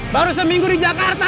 baru seminggu di jakarta